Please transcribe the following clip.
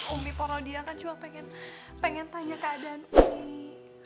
umi poro dia kan cuma pengen tanya keadaan umi